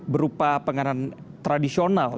berupa pengamanan tradisional